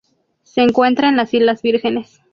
Se encuentra en las Islas Vírgenes.